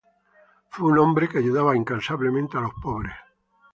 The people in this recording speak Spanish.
Fue un hombre que ayudaba incansablemente a los pobres.